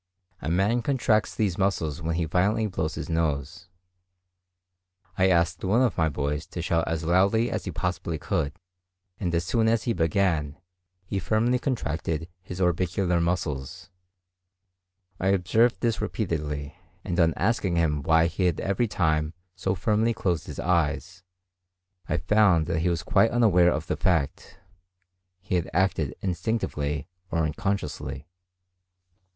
A man contracts these muscles when he violently blows his nose. I asked one of my boys to shout as loudly as he possibly could, and as soon as he began, he firmly contracted his orbicular muscles; I observed this repeatedly, and on asking him why he had every time so firmly closed his eyes, I found that he was quite unaware of the fact: he had acted instinctively or unconsciously.